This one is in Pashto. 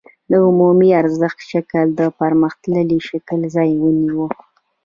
د عمومي ارزښت شکل د پرمختللي شکل ځای ونیو